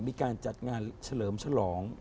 มีการจัดงานเฉลิมฉลอง